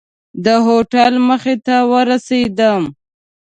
د هوټل مخې ته ورسېدم.